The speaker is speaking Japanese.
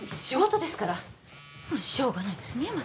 仕事ですからしょうがないですね